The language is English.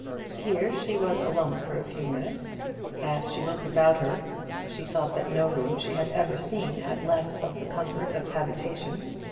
Here she was alone for a few minutes. As she looked about her, she thought that no room she had ever seen had less of the comfort of habitation.